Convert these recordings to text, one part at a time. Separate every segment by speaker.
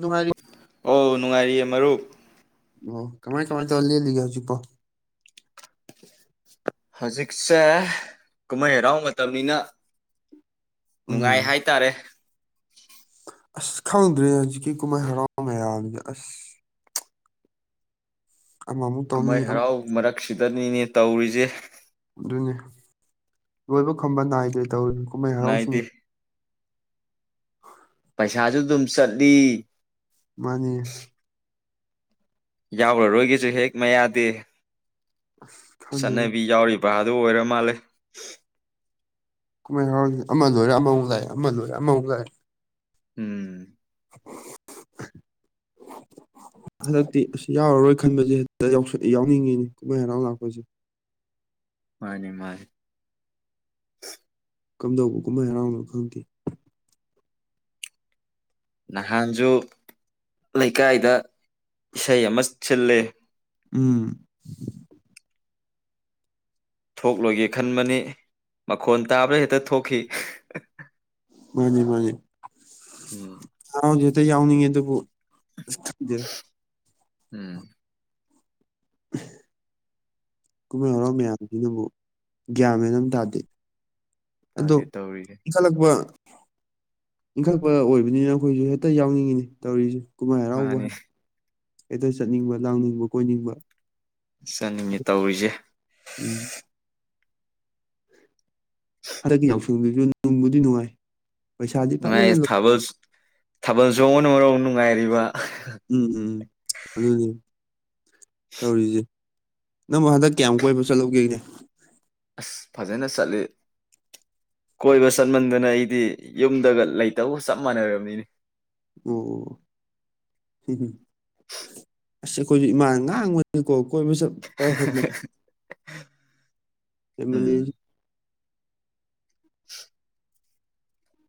Speaker 1: ꯅꯨꯉꯥꯏꯔꯤ
Speaker 2: ꯑꯧ ꯅꯨꯡꯉꯥꯏꯔꯤꯌꯦ ꯃꯔꯨꯞ
Speaker 1: ꯑꯣ ꯀꯃꯥꯏ ꯀꯃꯥꯏꯅ ꯇꯧꯔꯒ ꯂꯦꯜꯂꯤꯒꯦ ꯍꯧꯖꯤꯛꯄꯣ
Speaker 2: ꯍꯧꯖꯤꯛꯁꯦ ꯀꯨꯝꯍꯩ ꯍꯔꯥꯎ ꯃꯇꯝꯅꯤꯅ ꯅꯨꯡꯉꯥꯏ
Speaker 1: ꯎꯝ
Speaker 2: ꯍꯥꯏꯇꯥꯔꯦ [unintelligible]
Speaker 1: ꯑꯁ ꯈꯪꯗ꯭ꯔꯦ ꯍꯧꯖꯤꯛꯀꯤ ꯀꯨꯝꯃꯩ ꯍꯔꯥꯎ ꯃꯌꯥꯝꯖꯦ ꯑꯁ ꯑꯃꯃꯨꯛ ꯇꯧꯅꯤ
Speaker 2: ꯀꯨꯃꯩ ꯍꯔꯥꯎ ꯃꯔꯛꯁꯤꯗꯅꯤꯅꯦ ꯇꯧꯔꯤꯖꯦ
Speaker 1: ꯑꯗꯨꯅꯦ ꯂꯣꯏꯕ ꯈꯝꯕ ꯅꯥꯏꯗꯦ ꯇꯧꯔꯤ ꯀꯨꯃꯩ ꯍꯔꯥꯎꯁꯤꯡ
Speaker 2: ꯅꯥꯏꯗꯦ
Speaker 1: [unintelligible]
Speaker 2: ꯄꯩꯁꯥꯁꯨ ꯑꯗꯨꯝ ꯆꯠꯂꯤ
Speaker 1: ꯃꯥꯅꯤ
Speaker 2: ꯌꯥꯎꯔꯔꯣꯏꯒꯦꯁꯨ ꯍꯦꯛ ꯃꯌꯥꯗꯦ
Speaker 1: ꯑꯁ ꯈꯪꯗꯦꯗ
Speaker 2: ꯄ ꯑ ꯑꯗꯨ ꯑꯣꯏꯔ ꯃꯥꯜꯂꯦ
Speaker 1: ꯀꯨꯃꯩꯏ ꯍꯔꯥꯎꯁꯦ ꯑꯃ ꯂꯣꯏꯔ ꯑꯃꯃꯨꯛ ꯂꯥꯛꯑꯦ ꯑꯃ ꯂꯣꯏꯔ ꯑꯃꯃꯨꯛ ꯂꯥꯛꯑꯦ
Speaker 2: ꯎꯝ
Speaker 1: ꯍꯟꯗꯛꯇꯤ ꯑꯁ ꯌꯥꯎꯔꯔꯣꯏ ꯈꯟꯕꯁꯦ ꯍꯦꯛꯇ ꯌꯥꯎꯁꯟ ꯌꯥꯎꯅꯤꯡꯉꯤꯅꯤ ꯀꯨꯝꯍꯩ ꯍꯔꯥꯎ ꯂꯥꯛꯄꯁꯦ
Speaker 2: ꯃꯥꯅꯦ ꯃꯥꯅꯦ
Speaker 1: ꯀꯝꯗꯧꯕ ꯀꯨꯝꯍꯩ ꯍꯔꯥꯎꯅꯣ ꯈꯪꯗꯦ
Speaker 2: ꯅꯍꯥꯟꯖꯨ ꯂꯩꯀꯥꯏꯗ ꯏꯁꯩ ꯑꯃ ꯁꯤꯜꯂꯦ
Speaker 1: ꯎꯝ
Speaker 2: ꯊꯣꯛꯂꯣꯏꯒꯦ ꯈꯟꯕꯅꯤ ꯃꯈꯣꯟ ꯇꯥꯕ꯭ꯔꯥ ꯍꯦꯛꯇ ꯊꯣꯛꯈꯤ
Speaker 1: ꯃꯥꯅꯦ ꯃꯥꯅꯦ
Speaker 2: ꯎꯝ
Speaker 1: ꯍꯥꯎꯖꯦ ꯗ ꯌꯥꯎꯅꯤꯡꯉꯦ ꯑꯗꯨꯕꯨ ꯑꯁ ꯈꯪꯗꯦꯗ
Speaker 2: ꯎꯝ
Speaker 1: [inaudible] ꯀꯨꯝꯍꯩ ꯍꯔꯥꯎ ꯃꯌꯥꯝꯖꯤꯅꯕꯨꯨ ꯒ꯭ꯌꯥꯟ ꯃꯦꯟ ꯑꯝ ꯇꯥꯗꯦ ꯑꯗꯣ
Speaker 2: ꯇꯥꯗꯦ ꯇꯧꯔꯤꯁꯦ
Speaker 1: ꯏꯪꯈꯠꯂꯛꯄ ꯏꯟꯈꯠꯄ ꯑꯣꯏꯕꯅꯤꯅ ꯑꯈꯣꯏꯁꯨ ꯍꯦꯛꯇ ꯌꯥꯎꯅꯤꯡꯉꯤꯅꯦ ꯇꯧꯔꯤꯖꯦ ꯀꯨꯃꯩꯏ ꯍꯔꯥꯎꯕꯨ
Speaker 2: ꯃꯥꯅꯤ
Speaker 1: ꯍꯥꯏ ꯍꯦꯛꯇ ꯆꯠꯅꯤꯡꯕ ꯂꯥꯡꯅꯤꯡꯕ ꯀꯣꯏꯅꯤꯡꯕ
Speaker 2: ꯆꯅꯤꯡꯉꯦ ꯇꯧꯔꯤꯖꯦ
Speaker 1: ꯎꯝ ꯍꯟꯗꯛꯀꯤ ꯌꯥꯎꯁꯡ ꯗꯁꯨ ꯅꯨꯡꯕꯨꯗꯤ ꯅꯨꯡꯉꯥꯏ ꯄꯩꯁꯥꯗꯤ ꯐꯖꯅ
Speaker 2: ꯅꯨꯉꯥꯏꯌꯦ
Speaker 1: ꯂꯣꯏ
Speaker 2: ꯊꯕꯜꯁ ꯊꯕꯜꯆꯣꯡꯕꯅ ꯃꯔꯣꯝ ꯅꯨꯡ ꯉꯥꯏꯔꯤꯕ
Speaker 1: ꯎꯝ ꯇꯧꯔꯤꯖꯦ ꯅꯪꯕꯨ ꯍꯟꯗꯛ ꯀꯌꯥꯝ ꯀꯣꯏꯕ ꯆꯠꯂꯧꯒꯦꯅꯦ
Speaker 2: ꯑꯁ ꯐꯖꯅ ꯆꯠꯂꯤ ꯀꯣꯏꯕ ꯆꯠꯃꯟꯗꯅ ꯑꯩꯗꯤ ꯌꯨꯝꯗꯒ ꯂꯩꯇꯕꯒ ꯆꯞ ꯃꯥꯟꯅꯔꯕꯅꯤꯅꯦ
Speaker 1: ꯑꯣ ꯑꯁ ꯑꯩꯈꯣꯏꯁꯨ ꯏꯃꯥꯟꯅ ꯉꯥꯡꯕꯗꯀꯣ ꯀꯣꯏꯕ ꯆꯠ ꯄ ꯍꯦꯟꯃꯟ
Speaker 2: ꯎꯝ
Speaker 1: ꯍꯦꯟꯃꯟꯂꯦꯖꯤ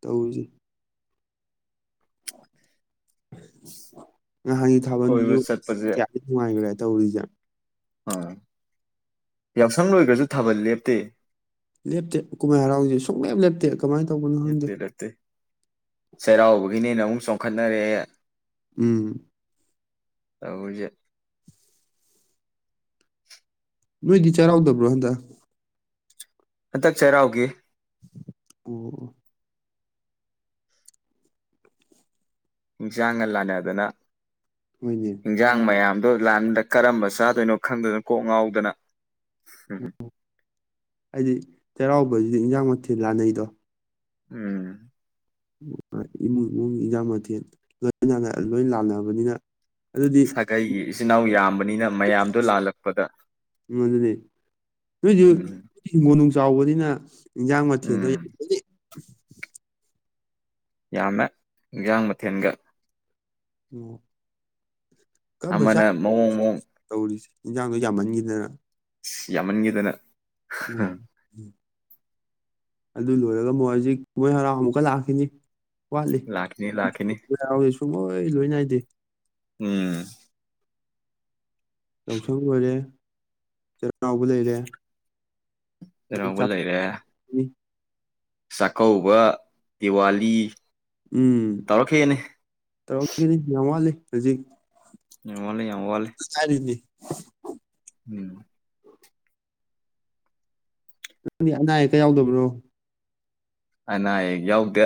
Speaker 1: ꯇꯧꯖꯤ ꯉꯥꯍꯟꯒꯤ
Speaker 2: ꯀꯣꯏꯕ
Speaker 1: ꯊꯥꯕꯟꯗꯨꯖꯨ
Speaker 2: ꯆꯠꯄꯁꯦ
Speaker 1: ꯀ꯭ꯌꯥꯝꯗꯤ ꯅꯨꯉꯥꯏꯒꯔꯦ ꯇꯧꯔꯤꯖꯦ
Speaker 2: ꯑꯥ ꯌꯥꯎꯁꯪ ꯂꯣꯒ꯭ꯔꯖꯨ ꯊꯥꯕꯜ ꯂꯦꯞꯇꯦ
Speaker 1: ꯂꯦꯞꯇꯦ ꯀꯨꯝꯍꯩ ꯍꯔꯥꯎꯖꯦ ꯁꯨꯡꯂꯦꯞ ꯂꯦꯞꯇꯦ ꯀꯃꯥꯏꯅ ꯇꯧꯕꯅꯣ ꯈꯪꯗꯦ
Speaker 2: ꯅꯥꯇꯦ ꯅꯥꯇꯦ ꯆꯩꯔꯥꯑꯣꯕꯒꯤꯅꯦꯅꯥ ꯑꯃꯨꯛ ꯆꯣꯡꯈꯠꯅꯔꯑꯦ
Speaker 1: ꯎꯝ
Speaker 2: ꯇꯧꯔꯤꯁꯦ
Speaker 1: ꯅꯣꯏꯗꯤ ꯆꯩꯔꯥꯎꯗꯕ꯭ꯔꯣ ꯍꯟꯗꯛ
Speaker 2: ꯍꯟꯇꯛ ꯆꯩꯔꯥꯎꯒꯤ
Speaker 1: ꯑꯣ
Speaker 2: ꯏꯟꯁꯥꯡꯒꯜ ꯂꯥꯟꯅꯗꯅ
Speaker 1: ꯍꯣꯏꯅꯦ
Speaker 2: ꯍꯤꯟꯖꯥꯡ ꯃꯌꯥꯝ ꯑꯗꯣ ꯂꯥꯟꯗ ꯀꯔꯝꯕ ꯆꯥꯗꯣꯏꯅꯣ ꯈꯪꯗꯗꯅꯣ ꯀꯣꯛ ꯉꯥꯎꯗꯅ ꯎꯝ
Speaker 1: ꯍꯥꯏꯗꯤ ꯆꯩꯔꯥꯎꯕꯁꯤꯗꯤ ꯏꯟꯁꯥꯡ ꯃꯊꯦꯜ ꯂꯥꯟꯅꯩꯗꯣ
Speaker 2: ꯎꯝ
Speaker 1: ꯏꯃꯨꯡ ꯏꯃꯨꯡ ꯏꯟꯖꯥꯡ ꯃꯊꯦꯜ ꯂꯣꯏ ꯅꯥ ꯂꯣꯏ ꯂꯥꯟꯅꯕꯅꯤꯅ ꯑꯗꯨꯗꯤ
Speaker 2: ꯁꯥꯒꯩꯒꯤ ꯏꯆꯤꯟ ꯏꯅꯥꯎ ꯌꯥꯝꯕꯅꯤꯅ ꯃꯌꯥꯝꯗꯣ ꯂꯥꯜꯂꯛꯄꯗ
Speaker 1: ꯎꯝ ꯑꯗꯨꯅꯤ ꯅꯣꯏꯗꯤ
Speaker 2: ꯎꯝ
Speaker 1: ꯍꯤꯡꯒꯣꯜ ꯅꯨꯡ ꯆꯥꯎꯕꯅꯤꯅ ꯏꯟꯖꯥꯡ ꯃꯊꯦꯟꯗꯣ
Speaker 2: ꯎꯝ
Speaker 1: [unintelligible] [inaudible]
Speaker 2: ꯌꯥꯝꯃꯦ ꯑꯦꯟꯁꯥꯡ ꯃꯊꯦꯜꯒ
Speaker 1: ꯑꯣ ꯀꯔꯝꯕ ꯆꯥ
Speaker 2: ꯑꯃꯅ ꯃꯧꯑꯣ ꯃꯣ
Speaker 1: ꯇꯧꯔꯤꯁꯦ ꯏꯟꯖꯥꯡꯗꯣ ꯌꯥꯝꯃꯟꯈꯤꯗꯅ
Speaker 2: ꯌꯥꯝꯃꯟꯈꯤꯗꯅ
Speaker 1: ꯎꯝ [unintelligible] ꯑꯗꯨ ꯂꯣꯏꯔꯒ ꯑꯃꯨꯛ ꯍꯧꯖꯤꯛ ꯀꯨꯝꯣꯏ ꯍꯔꯥꯎ ꯑꯃꯨꯛꯀ ꯂꯥꯛꯈꯤꯅꯤ ꯋꯥꯂꯤ
Speaker 2: ꯂꯥꯛꯈꯤꯅꯤ ꯂꯥꯛꯈꯤꯅꯤ
Speaker 1: [unintelligible] ꯁꯨꯡ ꯂꯣꯏ ꯅꯥꯏꯗꯦ
Speaker 2: ꯎꯝ
Speaker 1: ꯌꯥꯎꯁꯪ ꯑꯣꯏꯔꯦ ꯆꯩꯔꯥꯎꯕ ꯂꯩꯔꯦ ꯑꯗꯩ
Speaker 2: ꯆꯩꯔꯥꯎꯕ ꯂꯩꯔꯦ
Speaker 1: ꯆꯥꯛꯀꯧꯕꯅꯤ
Speaker 2: ꯆꯥꯛꯀꯧꯕ ꯗꯤꯋꯥꯂꯤ
Speaker 1: ꯎꯝ
Speaker 2: ꯇꯧꯔꯛꯈꯤꯅꯤ
Speaker 1: ꯇꯧꯔꯥꯈꯤꯅꯤ ꯎꯟ ꯋꯥꯠꯂꯤ ꯍꯧꯖꯤꯛ
Speaker 2: [unintelligible] ꯌꯥꯝ ꯋꯥꯠꯂꯤ
Speaker 1: [inaudible]
Speaker 2: ꯎꯝ
Speaker 1: [unintelligible] ꯅꯪꯗꯤ ꯑꯅꯥ ꯑꯌꯦꯛꯀ ꯌꯥꯎꯗꯕꯔꯣ
Speaker 2: ꯑꯅꯥ ꯑꯌꯦꯛ ꯌꯥꯎꯗꯦ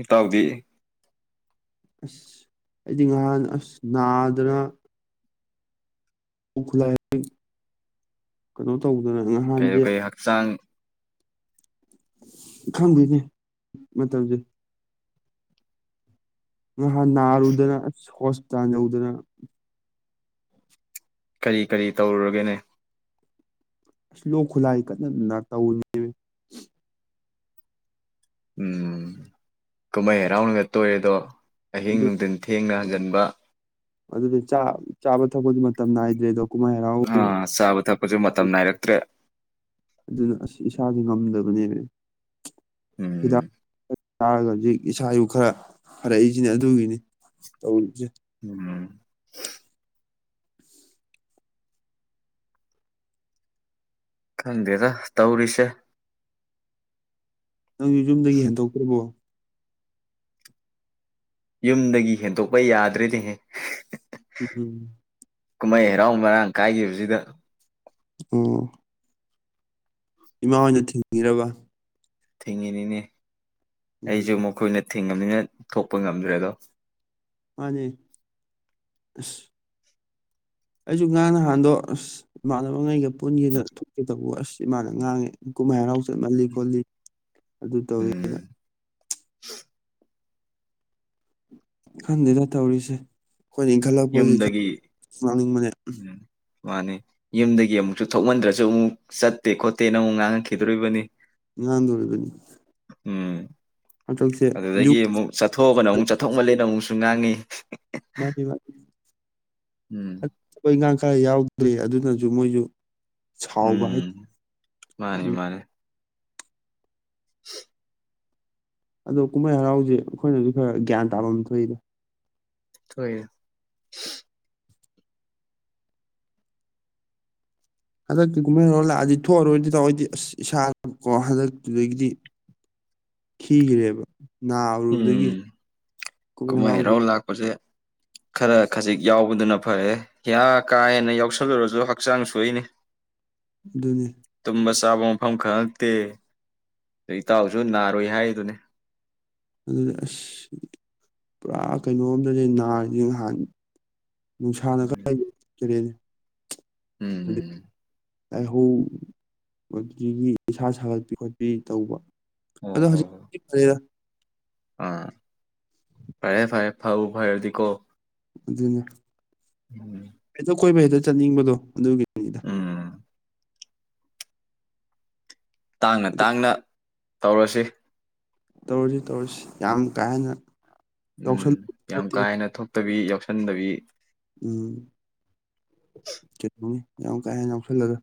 Speaker 2: ꯏꯇꯥꯎꯗꯤ
Speaker 1: ꯑꯁ ꯑꯩꯗꯤ ꯉꯍꯥꯟ ꯑꯁ ꯅꯥꯗ꯭ꯅꯥ ꯂ [unintelligible] ꯀꯩꯅꯣ ꯇꯧ
Speaker 2: ꯀꯩ ꯀꯩ ꯍꯛꯆꯥꯡ
Speaker 1: ꯈꯪꯗꯦꯅꯦ ꯃꯇꯝꯁꯦ ꯅꯥꯍꯥꯟ ꯅꯥꯔꯨꯗꯅ ꯑꯁ ꯍꯣꯁꯄꯤꯇꯥꯜ ꯌꯧꯗꯅ
Speaker 2: ꯀꯔꯤ ꯀꯔꯤ ꯇꯧꯔꯨꯔꯒꯦꯅꯦ
Speaker 1: ꯑꯁ ꯂꯣꯛ ꯈꯨꯂꯥꯏ ꯀꯟꯅ ꯅ ꯇꯧ [unintelligible] ꯅꯦꯃꯦ
Speaker 2: ꯎꯝ ꯀꯨꯃꯩ ꯍꯔꯥꯎꯅꯒ ꯇꯣꯏꯔꯦꯗꯣ ꯑꯍꯤꯡ ꯅꯨꯡꯊꯤꯟ ꯊꯦꯡꯅ ꯍꯟꯖꯟ ꯕ
Speaker 1: ꯑꯗꯨꯗ ꯆꯥ ꯆꯥꯕ ꯊꯛꯄꯒꯤ ꯃꯇꯝ ꯅꯥꯏꯗ꯭ꯔꯦꯗꯣ ꯀꯨꯝꯍꯩ ꯍꯔꯥꯎ
Speaker 2: ꯑꯥ ꯆꯥꯕ ꯊꯛꯄꯁꯨ ꯃꯇꯝ ꯅꯥꯏꯔꯛꯇ꯭ꯔꯦ
Speaker 1: ꯑꯗꯨꯅ ꯑꯁ ꯏꯁꯥꯥꯁꯦ ꯉꯝꯗꯕꯅꯦꯃꯦ
Speaker 2: ꯎꯝ
Speaker 1: ꯆꯥꯔꯒ ꯍꯧꯖꯤꯛ ꯏꯁꯥ ꯏꯎ ꯈꯔ ꯐꯔꯛꯏꯁꯤꯅꯦ ꯑꯗꯨꯒꯤꯅꯤ ꯇꯧꯔꯤꯁꯦ
Speaker 2: ꯎꯝ ꯈꯪꯗꯦꯗ ꯇꯧꯔꯤꯁꯦ
Speaker 1: ꯅꯪꯁꯨ ꯌꯨꯝꯗꯒꯤ ꯍꯦꯟꯗꯣꯛꯇ꯭ꯔꯤꯕꯣ
Speaker 2: ꯌꯨꯝꯗꯒꯤ ꯍꯦꯟꯗꯣꯛꯄ ꯌꯥꯗ꯭ꯔꯦꯅꯦꯍꯦ
Speaker 1: ꯎꯝꯝ
Speaker 2: ꯀꯨꯝꯍꯩ ꯍꯔꯥꯎ ꯃꯔꯥꯡ ꯀꯥꯏꯈꯤꯕꯁꯤꯗ
Speaker 1: ꯑꯣ ꯏꯃꯥꯍꯣꯏꯅ ꯊꯤꯡꯉꯤꯔꯕ
Speaker 2: ꯊꯤꯡꯉꯤꯅꯤꯅꯦ ꯑꯩꯁꯨ
Speaker 1: ꯎꯝ
Speaker 2: ꯃꯈꯣꯏ ꯅ ꯊꯤꯡꯉꯥꯃꯤꯅ ꯊꯣꯛꯄ ꯉꯝꯗ꯭ꯔꯦꯗꯣ
Speaker 1: ꯃꯥꯅꯦ ꯑꯁ ꯑꯩꯁꯨ ꯉꯔꯥꯡ ꯉꯍꯥꯟꯗꯣ ꯑꯁ ꯏꯃꯥꯅ [unintelligible] ꯉꯩꯒ ꯄꯨꯟꯒꯦꯅ ꯊꯣꯛꯀꯦ ꯇꯧꯕ ꯑꯁ ꯏꯃꯥꯅ ꯉꯥꯡꯉꯦ ꯀꯨꯝꯃꯩ ꯍꯔꯥꯎ ꯆꯠꯃꯜꯂꯤ ꯈꯣꯠꯂꯤ ꯑꯗꯨ ꯇꯧꯋꯦ
Speaker 2: ꯎꯝ
Speaker 1: ꯑꯅ ꯈꯪꯗꯦꯗ ꯇꯧꯔꯤꯁꯦ ꯈꯣꯏꯅ ꯏꯟꯈꯠꯂꯛꯄꯒꯤ ꯈꯥ
Speaker 2: ꯌꯨꯝꯗꯒꯤ
Speaker 1: ꯂꯥꯡꯅꯤꯡꯕꯅꯦ
Speaker 2: ꯎꯝ ꯃꯥꯅꯤ ꯌꯨꯝꯗꯒꯤ ꯑꯃꯨꯛꯁꯨ ꯊꯣꯛꯃꯟꯗ꯭ꯔꯁꯨ ꯑꯃꯨꯛ ꯆꯠꯇꯦ ꯈꯣꯠꯇꯦ ꯅ ꯑꯃꯨꯛ ꯉꯥꯡꯉꯛꯈꯤꯗꯣꯔꯤꯕꯅꯤ
Speaker 1: ꯉꯥꯡꯗꯣꯔꯤꯕꯅꯤ
Speaker 2: ꯎꯝ
Speaker 1: ꯍꯟꯗꯛꯁꯦ
Speaker 2: ꯑꯗꯨꯗꯒꯤ
Speaker 1: ꯌꯨꯝ
Speaker 2: ꯑꯃꯨꯛ ꯆꯠꯊꯣꯛꯑꯒꯅ ꯑꯃꯨꯛ ꯆꯠꯊꯣꯛꯃꯜꯂꯦꯅ ꯑꯃꯨꯛꯁꯨ ꯉꯥꯡꯉꯤ [unintelligible]
Speaker 1: ꯃꯥꯗꯤꯕ
Speaker 2: ꯎꯝ
Speaker 1: ꯑꯠ ꯊꯕꯛ ꯏꯪꯒꯥꯡ ꯈꯔ ꯌꯥꯎꯗ꯭ꯔꯤ ꯑꯗꯨꯅꯖꯨ ꯃꯣꯏꯖꯨ
Speaker 2: ꯎꯝ ꯃꯥꯅꯤ ꯃꯥꯅꯤ [inaudible]
Speaker 1: ꯑꯗꯣ ꯀꯨꯝꯍꯩ ꯍꯔꯥꯎꯁꯦ ꯑꯩꯈꯣꯏꯅꯁꯨ ꯈꯔ ꯒ꯭ꯌꯥꯟ ꯇꯥꯐꯝ ꯊꯣꯛꯏꯅꯦ
Speaker 2: ꯍꯣꯏ
Speaker 1: ꯍꯟꯗꯛꯇ ꯀꯨꯝꯍꯩꯔ ꯂꯥꯛꯑꯗꯤ ꯊꯣꯛꯑꯔꯣꯏꯗꯤ ꯇꯧꯑꯣꯏꯗꯤ ꯑꯁ ꯏꯁꯥ ꯀꯣ ꯍꯟꯗꯛꯇꯨꯗꯒꯤꯗꯤ ꯈꯤꯈ꯭ꯔꯦꯕ ꯅꯥꯎꯔꯨꯕꯗꯒꯤ
Speaker 2: ꯎꯝ ꯀꯨꯝꯍꯩ ꯍꯔꯥꯎ ꯂꯥꯛꯄꯁꯦ ꯈꯔ ꯈꯖꯤꯛ ꯌꯥꯎꯕꯗꯨꯅ ꯐꯔꯦ ꯏꯤ ꯀꯥ ꯍꯦꯟꯅ ꯌꯥꯎꯁꯜꯂꯨꯔꯁꯨ ꯍꯛꯆꯥꯡ ꯁꯨꯏꯅꯤ
Speaker 1: ꯑꯗꯨꯅꯤ
Speaker 2: ꯇꯨꯝꯕ ꯆꯥꯕ ꯃꯐꯝ ꯈꯉꯛꯇꯦ ꯑ ꯏꯇꯥꯎꯁꯨ ꯅꯥꯔꯣꯏ ꯍꯥꯏꯗꯨꯅꯦ
Speaker 1: ꯑꯗꯨꯗꯤ ꯑꯁ ꯄꯨꯔꯥ ꯀꯩꯅꯣꯝꯗꯗꯤ ꯅꯥꯔꯤꯁꯤ ꯅꯍꯥꯟ ꯅꯨꯡꯁꯥꯅ [unintelligible] [unintelligible]
Speaker 2: ꯎꯝ
Speaker 1: ꯂꯥꯏꯍꯧꯗꯒꯤ ꯏꯁꯥ ꯁꯥꯒꯠꯄꯤ ꯈꯣꯠꯄꯤ ꯇꯧꯕ
Speaker 2: ꯑꯣ
Speaker 1: ꯑꯗꯣ
Speaker 2: ꯍꯣ ꯍꯣ
Speaker 1: ꯍꯧꯖꯤꯛꯇꯤ ꯐꯔꯦꯗꯥ
Speaker 2: ꯑꯥ ꯐꯔꯦ ꯐꯔꯦ ꯐꯕꯨ ꯐꯥꯏꯔꯗꯤ ꯀꯣ
Speaker 1: ꯑꯗꯨꯅ
Speaker 2: ꯎꯝ
Speaker 1: ꯍꯦꯛꯇ ꯀꯣꯏꯕ ꯍꯦꯛꯇ ꯆꯠꯅꯤꯡꯕꯗꯣ ꯑꯗꯨꯒꯤ
Speaker 2: ꯎꯝ ꯇꯥꯡꯅ
Speaker 1: ꯑꯗꯨ
Speaker 2: ꯇꯥꯡꯅ ꯇꯧꯔꯁꯤ
Speaker 1: ꯇꯧꯔꯁꯤ ꯇꯧꯔꯁꯤ ꯌꯥꯝ ꯀꯥ ꯍꯦꯟꯅ
Speaker 2: ꯎꯝ
Speaker 1: ꯌꯥꯎꯁꯜ
Speaker 2: ꯌꯥꯝ
Speaker 1: ꯐꯠꯇꯦ
Speaker 2: ꯀꯥ ꯍꯦꯟꯅ ꯊꯣꯛꯇꯕꯤ ꯆꯟꯗꯕꯤ
Speaker 1: ꯎꯝ ꯀꯩꯅꯣꯅꯤ ꯌꯥꯝ ꯀꯥ ꯍꯦꯟꯅ ꯌꯥꯎꯁꯜꯂꯔꯣꯏ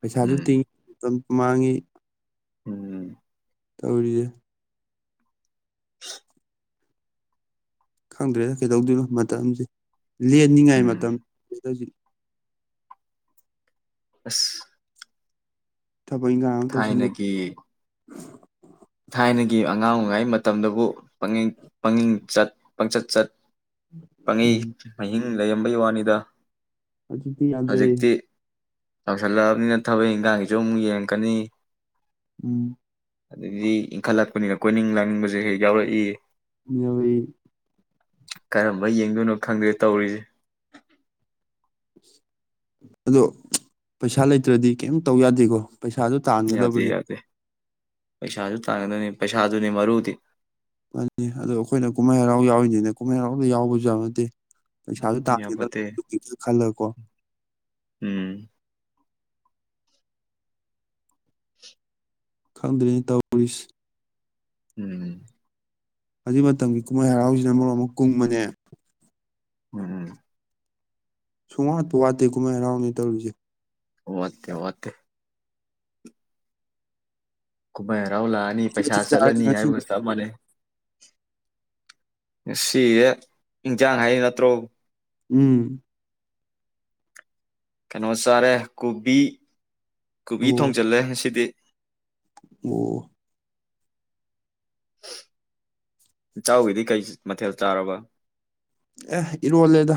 Speaker 1: ꯄꯩꯁꯥꯁꯨ
Speaker 2: ꯎꯝ
Speaker 1: ꯇꯤꯡ ꯑꯗꯨꯝ ꯃꯥꯡꯉꯤ
Speaker 2: ꯎꯝ
Speaker 1: ꯇꯧꯔꯤꯗꯦ ꯈꯪꯗ꯭ꯔꯦꯗ ꯀꯩꯗꯧꯗꯣꯏꯅꯣ ꯃꯇꯝꯁꯦ ꯂꯦꯟꯅꯤꯉꯥꯏ ꯃꯇꯝ
Speaker 2: ꯎꯝ
Speaker 1: [unintelligible] ꯍꯧꯖꯤꯛ
Speaker 2: ꯑꯁ
Speaker 1: ꯊꯕꯛ ꯏꯟꯈꯥꯡ ꯑꯃ ꯇꯧꯁꯟꯂ ꯎꯝ
Speaker 2: ꯊꯥꯏꯅꯒꯤ ꯊꯥꯏꯅꯒꯤ ꯑꯉꯥꯡ ꯑꯣꯏꯉꯩ ꯃꯇꯝꯗꯕꯨ ꯄꯪꯌꯦꯡ ꯃꯃꯤꯡꯆꯠ ꯄꯪꯆꯠ ꯆꯠ
Speaker 1: ꯎꯝ
Speaker 2: ꯄꯪꯉꯤꯡ [unintelligible] ꯂꯩꯩꯔꯝꯕꯩ ꯋꯥꯅꯤꯗ
Speaker 1: ꯍꯧꯖꯤꯛꯇꯤ ꯌꯥꯗ꯭ꯔꯦ
Speaker 2: ꯇꯧꯁꯜꯂꯛꯑꯕꯅꯤꯅ ꯊꯕꯛ ꯏꯟꯈꯥꯡꯁꯨ ꯑꯃꯨꯛ ꯌꯦꯡꯉꯛꯀꯅꯤ
Speaker 1: ꯎꯝ
Speaker 2: ꯑꯗꯒꯤ ꯏꯟꯈꯠꯂꯛꯄꯅꯤꯅ ꯀꯣꯏꯅꯤꯡ ꯂꯥꯡꯅꯤꯡꯕꯁꯦ ꯍꯦꯛ ꯌꯥꯎꯔꯛꯏ
Speaker 1: ꯌꯥꯎꯋꯤ
Speaker 2: ꯀꯔꯝꯕ ꯌꯦꯡꯗꯣꯏꯅꯣ ꯈꯪꯗꯦ ꯇꯧꯔꯤꯁꯦ
Speaker 1: ꯑꯗꯣ ꯄꯩꯁꯥ ꯂꯩꯇ꯭ꯔꯗꯤ ꯀꯩꯝ ꯇꯧ ꯌꯥꯗꯦꯀꯣ ꯄꯩꯁꯥꯖꯨ
Speaker 2: ꯌꯥꯗꯦ
Speaker 1: ꯇꯥꯟꯒꯗꯕꯅꯤ
Speaker 2: ꯌꯥꯗꯦ ꯄꯩꯁꯥꯁꯨ ꯇꯥꯡꯒꯗꯣꯏꯅꯤ ꯄꯩꯁꯥꯗꯨꯅꯤ ꯃꯔꯨꯗꯤ
Speaker 1: ꯃꯅꯤ ꯑꯗꯣ ꯑꯩꯈꯣꯏꯅ ꯀꯨꯝꯍꯩ ꯍꯔꯥꯎ ꯌꯥꯎꯔꯤꯅꯦꯅ ꯀꯨꯝꯍꯩ ꯍꯔꯥꯎꯗ ꯌꯥꯎꯕꯁꯨ ꯌꯥꯕ ꯅꯠꯇꯦ ꯄꯩꯁꯥꯁꯨ
Speaker 2: ꯌꯥꯄꯣꯠꯇꯦ
Speaker 1: ꯇꯥꯒꯗꯕꯅꯤ [inaudible] ꯈꯜꯂꯒꯀꯣ
Speaker 2: ꯎꯝ
Speaker 1: ꯈꯪꯗ꯭ꯔꯦꯅꯦ ꯇꯧꯔꯤꯁꯤ
Speaker 2: ꯎꯝ
Speaker 1: ꯍꯧꯖꯤꯛ ꯃꯇꯝꯒꯤ ꯀꯨꯝꯍꯩ ꯍꯔꯥꯎꯁꯤꯅ ꯃꯔꯣꯟ ꯑꯃ ꯀꯨꯡꯕꯅꯦ
Speaker 2: ꯎꯝ
Speaker 1: ꯁꯨꯡꯋꯥꯠꯄꯨ ꯋꯥꯠꯇꯦ ꯀꯨꯍꯩ ꯍꯔꯥꯎꯅꯦ ꯇꯩꯔꯤꯖꯦ
Speaker 2: ꯋꯥꯠꯇꯦ ꯆꯥꯠꯇꯦ ꯈꯣꯃꯩ ꯍꯔꯥꯎ ꯂꯥꯛꯑꯅꯤ
Speaker 1: ꯀꯔꯤ
Speaker 2: ꯄꯩꯁꯥ
Speaker 1: ꯃꯊꯦꯜ ꯆꯥꯔꯒꯦ
Speaker 2: ꯆꯠꯂꯅꯤ ꯍꯥꯏꯕꯒ
Speaker 1: ꯉꯁꯤꯗꯤ
Speaker 2: ꯆꯞ ꯃꯥꯟꯅꯩ ꯉꯁꯤꯁꯦ ꯏꯟꯁꯥꯡ ꯍꯥꯏꯔꯤ ꯅꯠꯇ꯭ꯔꯣ
Speaker 1: ꯎꯝ
Speaker 2: ꯀꯩꯅꯣ ꯆꯥꯔꯦ ꯀꯨꯕꯤ ꯀꯨꯕꯤ
Speaker 1: ꯑꯣ
Speaker 2: ꯊꯣꯡꯖꯤꯜꯂꯦ ꯉꯁꯤꯗꯤ
Speaker 1: ꯑꯣ
Speaker 2: ꯏꯇꯥꯎꯒꯤꯗꯤ ꯀꯩ ꯃꯊꯦꯜ ꯆꯥꯔꯕ
Speaker 1: ꯑꯦ ꯏꯔꯣꯜꯂꯦꯗ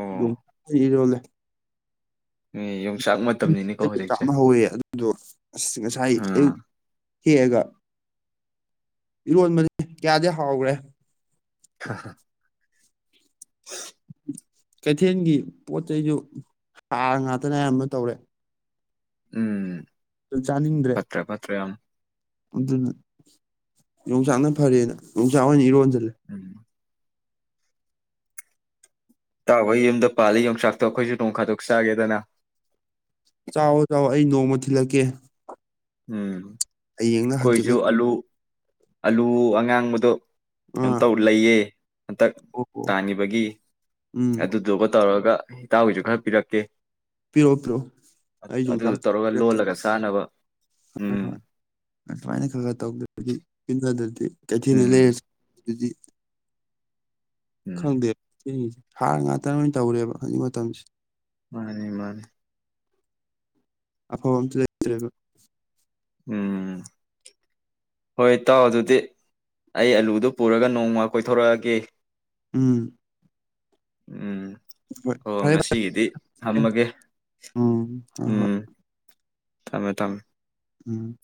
Speaker 2: ꯑꯣ
Speaker 1: ꯌꯣꯡ ꯏꯔꯣꯜꯂꯦ
Speaker 2: ꯑꯦ ꯌꯣ
Speaker 1: ꯌꯨꯝꯗ ꯌꯣꯡꯆꯥꯛ ꯑꯃ ꯍꯧꯋ ꯑꯗꯨꯗꯣ ꯉꯁꯥꯏ
Speaker 2: ꯑꯥ
Speaker 1: ꯑꯌꯨꯛ ꯍꯦꯛꯑꯒ ꯏꯔꯣꯟꯕꯗꯤ ꯀꯌꯥꯗꯤ ꯍꯥꯎꯈ꯭ꯔꯦ
Speaker 2: ꯍꯥ [unintelligible]
Speaker 1: ꯀꯩꯊꯦꯜꯒꯤ ꯄꯣꯠ ꯆꯩꯁꯨ ꯍꯥꯔ ꯉꯥꯛꯇꯅ ꯑꯌꯥꯝꯕ ꯇꯧꯔꯦ
Speaker 2: ꯎꯝ
Speaker 1: ꯆꯥꯅꯤꯡꯗ꯭ꯔꯦ
Speaker 2: ꯐꯠꯇ꯭ꯔꯦ ꯐꯠꯇ꯭ꯔꯦ ꯌꯥꯝ
Speaker 1: ꯑꯗꯨꯅ ꯌꯣꯡꯆꯥꯛꯅ ꯐꯔꯦꯅ ꯌꯣꯡꯆꯥꯛ ꯑꯣꯏꯅ ꯏꯔꯣꯟꯖꯜꯂꯦ
Speaker 2: [inaudible] ꯏꯇꯥꯎꯒꯣꯏ ꯌꯨꯝꯗ ꯄꯥꯜꯂꯤ ꯌꯣꯡꯆꯥꯛꯇꯣ ꯑꯈꯣꯏꯁꯨ ꯅꯣꯡꯐꯥꯗꯣꯛ ꯆꯥꯒꯦꯗꯅ
Speaker 1: ꯆꯥꯎꯑꯣ ꯆꯥꯎꯑꯣ ꯑꯩ ꯅꯣꯡꯃ ꯊꯤꯜꯂꯛꯀꯦ
Speaker 2: ꯎꯝ
Speaker 1: ꯍꯌꯦꯡꯂ
Speaker 2: ꯑꯩꯈꯣꯏꯁꯨ
Speaker 1: ꯍꯪꯆꯤꯠꯂ
Speaker 2: ꯑꯂꯨ ꯑꯂꯨ ꯑꯉꯥꯡꯕꯗꯣ
Speaker 1: ꯑꯥ
Speaker 2: ꯀꯝꯇꯧ ꯂꯩꯌꯦ ꯍꯟꯇꯛ
Speaker 1: ꯑꯣ ꯑꯣ
Speaker 2: ꯇꯥꯒꯤꯕꯒꯤ
Speaker 1: ꯎꯝ
Speaker 2: ꯑꯗꯨꯗꯨꯒ ꯇꯧꯔꯒ ꯏꯇꯥꯎꯒꯤꯁꯨ ꯈꯔ ꯄꯤꯔꯛꯀꯦ
Speaker 1: ꯄꯤꯔꯛꯑꯣ ꯄꯤꯔꯛꯑꯣ ꯑꯩ
Speaker 2: ꯑꯗꯨꯗꯨ
Speaker 1: ꯌꯣꯡꯆꯥꯛ
Speaker 2: ꯇꯧꯔꯒ
Speaker 1: ꯄꯤꯔꯛꯀꯦ
Speaker 2: ꯂꯣꯜꯂꯒ ꯆꯥꯅꯕ
Speaker 1: ꯍꯣꯏ
Speaker 2: ꯎꯝ
Speaker 1: ꯍꯣꯏ ꯑꯗꯨꯃꯥꯏꯅ ꯈꯔ ꯈꯔ ꯇꯧꯗꯗꯤ ꯄꯤꯟ ꯑꯗꯗꯤ ꯀꯩꯊꯦꯜꯗ
Speaker 2: ꯎꯝ
Speaker 1: ꯂꯩꯔꯁꯤ ꯗꯗꯤ
Speaker 2: ꯎꯝ
Speaker 1: ꯈꯪꯗꯦ ꯎꯝ ꯍꯥꯔ ꯉꯥꯛꯇ ꯂꯣꯏꯅ ꯇꯧꯔꯦꯕ ꯍꯧꯖꯤꯛꯀꯤ ꯃꯇꯝꯁꯤ
Speaker 2: ꯃꯥꯅꯤ ꯃꯥꯅꯤ
Speaker 1: ꯑꯐꯥꯎꯕ ꯑꯃꯇ ꯂꯩꯇ꯭ꯔꯦꯕ
Speaker 2: ꯎꯝ ꯍꯣꯏ ꯇꯥꯎ ꯑꯗꯨꯗꯤ ꯑꯩ ꯑꯂꯨꯗꯨ ꯄꯨꯔꯒ ꯅꯣꯡꯃ ꯀꯣꯏꯊꯣꯔꯛꯑꯒꯦ
Speaker 1: ꯎꯝ
Speaker 2: ꯎꯝ
Speaker 1: ꯍꯣꯏ
Speaker 2: ꯑꯣ
Speaker 1: ꯐꯔꯦ
Speaker 2: ꯉꯁꯤꯒꯤꯗꯤ
Speaker 1: ꯐꯔꯦ
Speaker 2: ꯊꯝꯃꯒꯦ
Speaker 1: ꯎꯝ ꯍꯣꯏ ꯍꯣꯏ
Speaker 2: ꯎꯝ ꯊꯝꯃꯦ ꯊꯝꯃꯦ
Speaker 1: ꯎꯝ